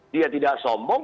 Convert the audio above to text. dia tidak sombong